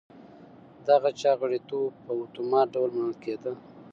د هغه چا غړیتوب په اتومات ډول منل کېده.